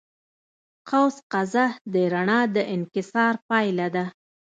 قوس قزح د رڼا د انکسار پایله ده.